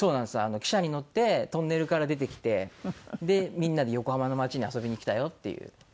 汽車に乗ってトンネルから出てきてみんなで横浜の街に遊びに来たよっていう。